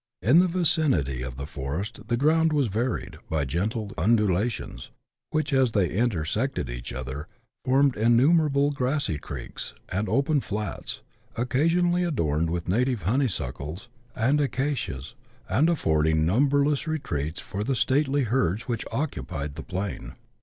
In the vicinity of the forest the ground was varied by gentle undulations, which, as they intersected each other, formed innumerable grassy creeks and open flats, occasionally adorned with native honeysuckles CHAP. XII.] OMIO PLAIN. 137 and acacias, and affording numberless retreats for the stately herds which occupied the plain.